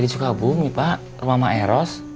di sukabumi pak rumah sama eros